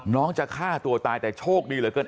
จะฆ่าตัวตายแต่โชคดีเหลือเกิน